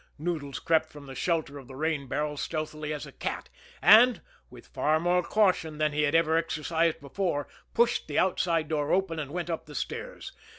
Noodles crept from the shelter of the rain barrel stealthily as a cat, and, with far more caution than he had ever exercised before, pushed the outside door open and went up the stairs.